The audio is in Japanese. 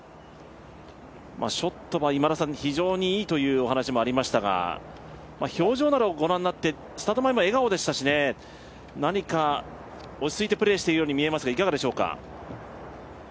ショットは非常にいいというお話もありましたが、表情などご覧になって、スタート前笑顔でしたしね、何か落ち着いてプレーしてるように見えますがいかがでしょうか。